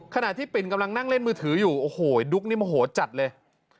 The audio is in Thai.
ขณะที่ปิ่นกำลังนั่งเล่นมือถืออยู่โอ้โหดุ๊กนี่โมโหจัดเลย